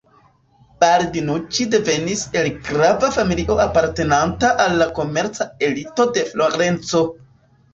Baldinuĉi devenis el grava familio apartenanta al la komerca elito de Florenco.